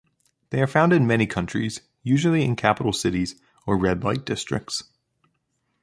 They are found in many countries, usually in capital cities or red-light districts.